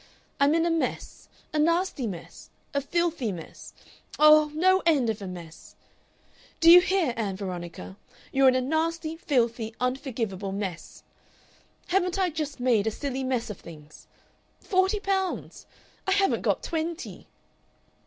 I'm in a mess a nasty mess! a filthy mess! Oh, no end of a mess! "Do you hear, Ann Veronica? you're in a nasty, filthy, unforgivable mess! "Haven't I just made a silly mess of things? "Forty pounds! I haven't got twenty!"